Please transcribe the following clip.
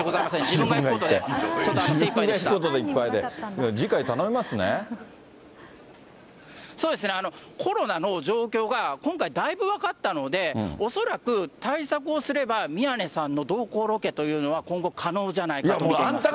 自分のことで頭いっぱいで、そうですね、コロナの状況が今回だいぶ分かったので、恐らく、対策をすれば、宮根さんの同行ロケというのは今後、可能じゃないかと見ています。